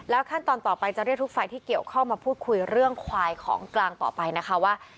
ขั้นตอนต่อไปจะเรียกทุกฝ่ายที่เกี่ยวข้องมาพูดคุยเรื่องควายของกลางต่อไปนะคะว่า